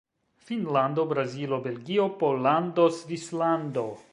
Finnlando, Brazilo, Belgio, Pollando, Svislando.